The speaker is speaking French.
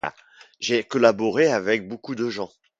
J'ai collaboré avec beaucoup de gens.